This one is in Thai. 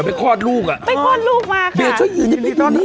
ไปคลอดลูกอ่ะไปคลอดลูกมาค่ะเดี๋ยวช่วยยืนนิดหนึ่งนิดหนึ่ง